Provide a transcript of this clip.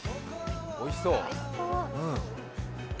おいしそう。